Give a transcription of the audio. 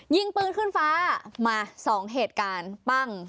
ยิงปืนขึ้นฟ้ามา๒เหตุการณ์ปั้ง